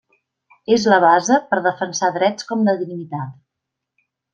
És la base per defensar drets com la dignitat.